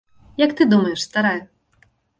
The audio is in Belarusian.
Як ты думаеш, старая?